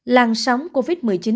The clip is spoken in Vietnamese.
làn sóng covid một mươi chín